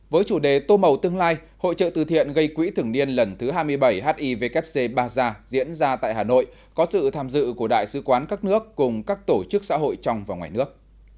với chủ đề tô màu tương lai hội trợ từ thiện gây quỹ thường niên lần thứ hai mươi bảy hivc baz diễn ra tại hà nội có sự tham dự của đại sứ quán các nước cùng các tổ chức xã hội trong và ngoài nước